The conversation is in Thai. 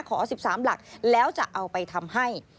ขอ๑๓หลักแล้วจะเอาไปทำให้